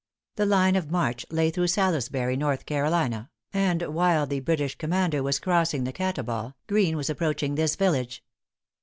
The line of march lay through Salisbury, North Carolina; and while the British commander was crossing the Catawba, Greene was approaching this village.